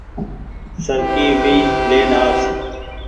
سرڪي ڀي لين آس۔